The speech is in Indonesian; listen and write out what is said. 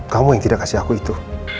kamu yang tidak kasih aku itu